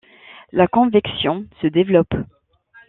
La convection se développe.